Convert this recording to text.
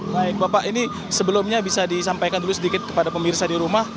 baik bapak ini sebelumnya bisa disampaikan dulu sedikit kepada pemirsa di rumah